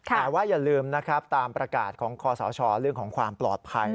แต่ว่าอย่าลืมนะครับตามประกาศของคอสชเรื่องของความปลอดภัย